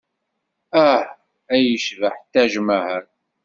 Ah! Ay yecbeḥ Taj Maḥal!